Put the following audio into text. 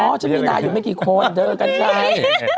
มันจะมีนายอยู่ไม่กี่คนเยอะกันได้